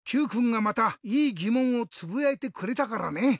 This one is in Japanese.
Ｑくんがまたいいぎもんをつぶやいてくれたからね。